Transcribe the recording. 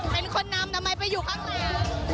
เป็นคนนำทำไมไปอยู่ข้างหลัง